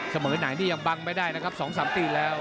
เสมอไหนเหนี่ยังบังไม่ได้นะครับสองสามตีแล้ว